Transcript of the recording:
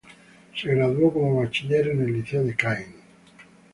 Se graduó como bachiller en el liceo de Caen.